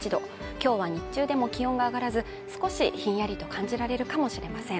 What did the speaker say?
今日は日中でも気温が上がらず、少しひんやりと感じられるかもしれません。